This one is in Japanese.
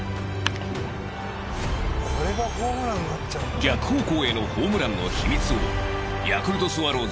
逆方向へのホームランの秘密をヤクルトスワローズ